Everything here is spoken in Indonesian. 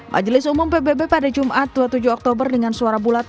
majelis umum pbb pada jumat dua puluh tujuh oktober dengan suara bulat